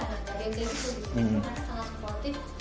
nah dari situ karena sangat supportif